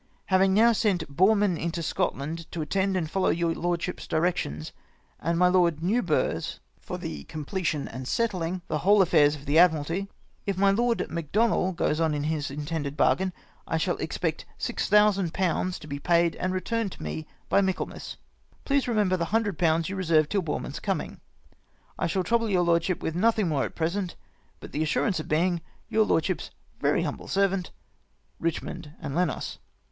Having now sent Boreman into Scotland to attend and follow your lordship's directions, and my Lord New burgh's, for the completing and settling the whole affairs of the Admiralty. If my Lord Macdonnel goes on in his in tended bargain, I shall expect 6000/. to be paid and retm'ned to me by Michaelmas. Please to remember the 100/. you reserved till Boreman's coming. I shall trouble your lord ship with nothing more at present, but the assurance of being, " Your lordship's very humble servant, " Richmond and Lenos.